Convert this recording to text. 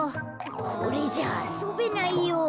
これじゃあそべないよ。